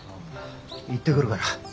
行ってくるから。